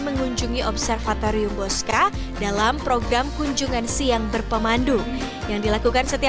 mengunjungi observatorium bosca dalam program kunjungan siang berpemandu yang dilakukan setiap